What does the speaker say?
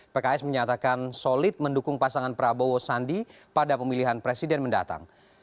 pks menyatakan solid mendukung pasangan prabowo sandi pada pemilihan presiden mendatang